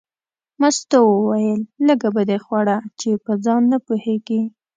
مستو وویل لږه به دې خوړه چې په ځان نه پوهېږې.